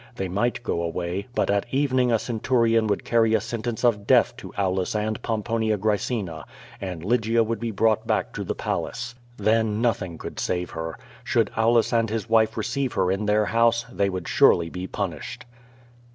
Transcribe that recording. They might go away, but at evening a centurion would carry a sentence of death to Aulus and Pomponia Gracena, and Lygia would be brought back to the Palace. Then nothing could save her. Should Aulus and his wife receive her in their house, they would surely be punished.